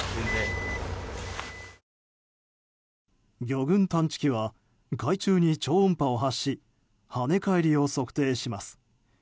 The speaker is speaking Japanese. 魚群探知機は海中に超音波を発し跳ね返りを測定します。